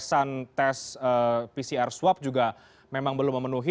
soal pengetesan tes pcr swab juga memang belum memenuhi